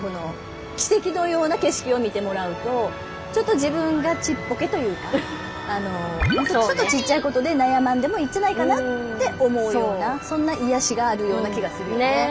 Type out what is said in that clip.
奇跡のような景色を見てもらうとちょっと自分がちっぽけというかちょっとちっちゃいことで悩まんでもいいんじゃないかなって思うようなそんな癒やしがあるような気がするよね。